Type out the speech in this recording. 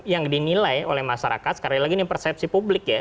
yang dinilai oleh masyarakat sekali lagi ini persepsi publik ya